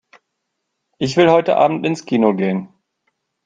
Ich will heute Abend ins Kino gehen.